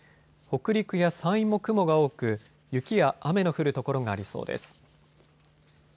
北陸や山陰も雲が多く雪や雨の降る所がありそうです。